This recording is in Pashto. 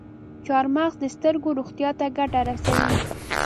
چارمغز د سترګو روغتیا ته ګټه رسوي.